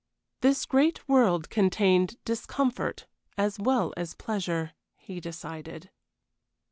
This great world contained discomfort as well as pleasure, he decided.